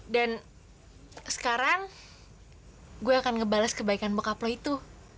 dan sekarang gue akan ngebales kebaikan bokap lo itu